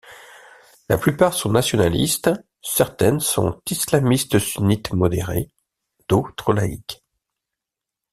La plupart sont nationalistes, certaines sont islamistes sunnites modérées, d'autres laïques.